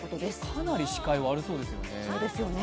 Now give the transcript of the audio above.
かなり視界が悪そうですよね。